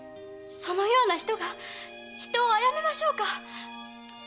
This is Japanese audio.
そのような人が人を殺めましょうか？